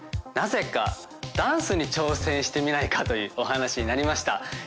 なぜかダンスに挑戦してみないかというお話になりました